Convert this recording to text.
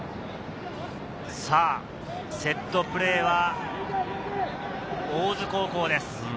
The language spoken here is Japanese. セットプレーは大津高校です。